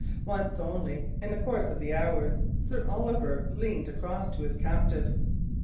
Once only, in the course of the hours, Sir Oliver leaned across to his captive.